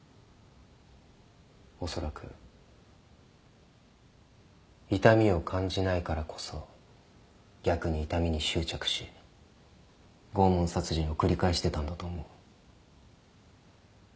おそらく痛みを感じないからこそ逆に痛みに執着し拷問殺人を繰り返してたんだと思う。